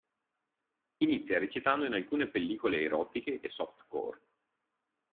Inizia recitando in alcune pellicole erotiche e softcore.